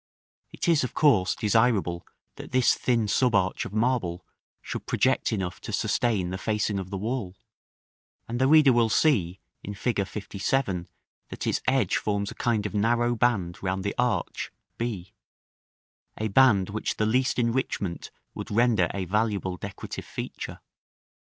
It is of course desirable that this thin sub arch of marble should project enough to sustain the facing of the wall; and the reader will see, in Fig. LVII., that its edge forms a kind of narrow band round the arch (b), a band which the least enrichment would render a valuable decorative feature.